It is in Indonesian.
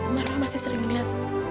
marwah masih sering liat